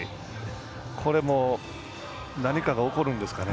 これも何かが起こるんですかね。